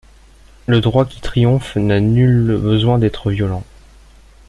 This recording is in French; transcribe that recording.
Le droit qui triomphe n’a nul besoin d’être violent.